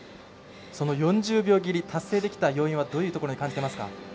その４０秒切り達成できた要因はどういったところで感じていますか？